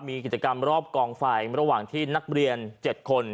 มีกิจกรรมรอบกองไฟระหว่างที่นักเรียน๗คน